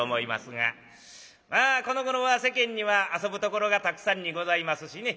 まあこのごろは世間には遊ぶところがたくさんにございますしね。